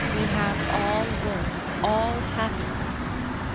We have all worth, all happiness.